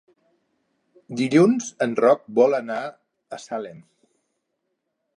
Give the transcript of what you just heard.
Dilluns en Roc vol anar a Salem.